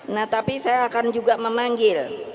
nah tapi saya akan juga memanggil